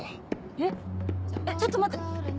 えっちょっと待って！